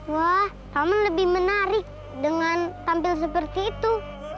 wah kamu lebih menarik dengan tampil seperti itu